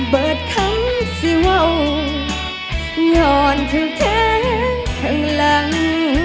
เบิดขั้งเสว่ายอดถึงแท้งข้างหลัง